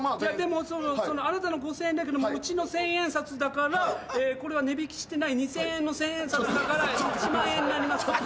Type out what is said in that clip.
でもそのあなたの５，０００円だけどもうちの千円札だからこれは値引きしてない２，０００円の千円札だから１万円になります。